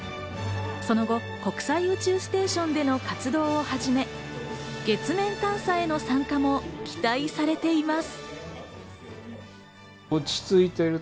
その後、国際宇宙ステーションでの活動を始め、月面探査などへの参加も期待されています。